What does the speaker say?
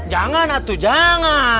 jangan atu jangan